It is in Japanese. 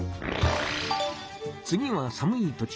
次はさむい土地